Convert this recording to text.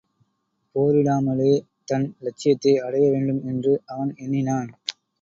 போரிடாமலே தன் இலட்சியத்தை அடைய வேண்டும் என்று அவன் எண்ணினான்.